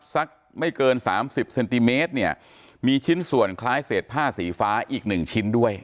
สักไม่เกินสามสิบเซนติเมตรเนี่ยมีชิ้นส่วนคล้ายเศษผ้าสีฟ้าอีกหนึ่งชิ้นด้วย